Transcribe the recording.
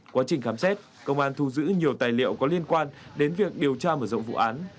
quá trình khám xét công an thu giữ nhiều tài liệu có liên quan đến việc điều tra mở rộng vụ án